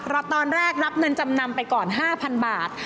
ตอนแรกรับเงินจำนำไปก่อน๕๐๐๐บาท